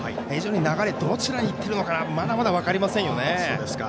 流れがどちらにいっているのかまだまだ分かりませんよね。